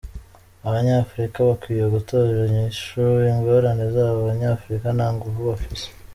Abanyafrika bakwiye gutorera inyishu ingorane zabo, abanyafrika nta nguvu bafise.